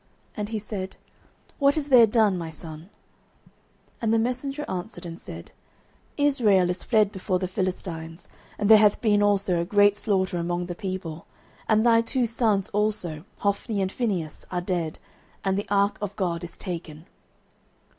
And he said, What is there done, my son? 09:004:017 And the messenger answered and said, Israel is fled before the Philistines, and there hath been also a great slaughter among the people, and thy two sons also, Hophni and Phinehas, are dead, and the ark of God is taken.